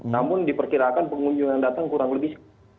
namun diperkirakan pengunjung yang datang kurang lebih